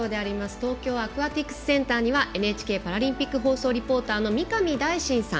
東京アクアティクスセンターにはＮＨＫパラリンピック放送リポーターの三上大進さん。